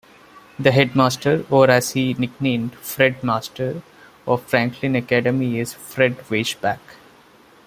The headmaster, or as he is nicknamed, "Fredmaster", of Franklin Academy is Fred Weissbach.